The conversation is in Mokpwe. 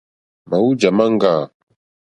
Màwújà máŋɡâ.